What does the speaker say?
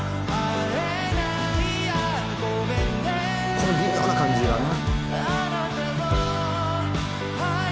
「この微妙な感じがな」